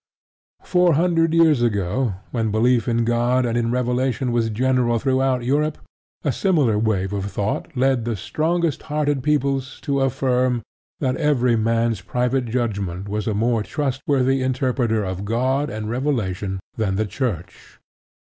Four hundred years ago, when belief in God and in revelation was general throughout Europe, a similar wave of thought led the strongest hearted peoples to affirm that every man's private judgment was a more trustworthy interpreter of God and revelation than the Church.